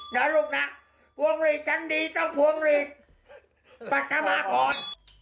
นะลูกค้าฟวงหลีดฉันดีต้องฟวงหลีดปัจจัมหาพรฟวงหลีดปัจจัมหาพร